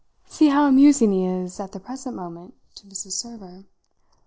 "See how amusing he is at the present moment to Mrs. Server."